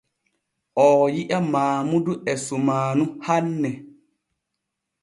Oo yi’a Maamudu e sumaanu hanne.